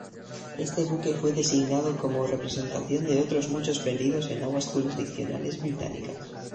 Este buque fue designado como representación de otros muchos perdidos en aguas jurisdiccionales británicas.